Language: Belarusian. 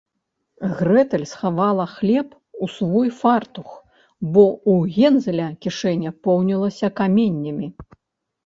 Грэтэль схавала хлеб у свой фартух, бо ў Гензеля кішэня поўнілася каменнямі